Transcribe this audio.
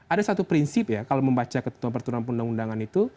ada satu prinsip ya kalau membaca ketentuan peraturan perundang undangan itu